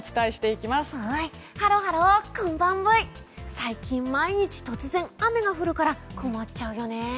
最近、毎日突然雨が降るから困っちゃうよね。